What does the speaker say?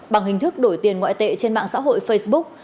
bằng hình thức đổi tiền ngoại tệ trên mạng xã hội facebook